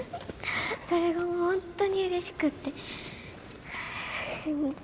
それが本当にうれしくって。